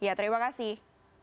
ya terima kasih